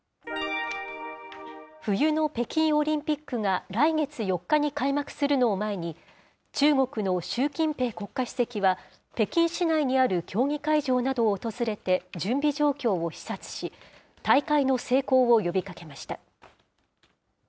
冬の北京オリンピックが来月４日に開幕するのを前に、中国の習近平国家主席は、北京市内にある競技会場などを訪れて準備状況を視察し、大会の成功を呼びかけました。